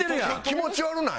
気持ち悪ない？